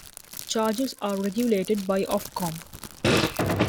Charges are regulated by Ofcom.